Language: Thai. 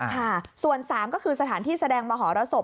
ค่ะส่วน๓ก็คือสถานที่แสดงมหรสบ